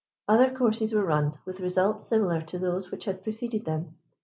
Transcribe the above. Other courses were run with results similar to those which had preceded them.